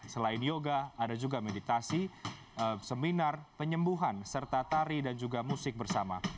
selain yoga ada juga meditasi seminar penyembuhan serta tari dan juga musik bersama